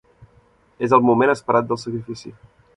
És el moment esperat del sacrifici.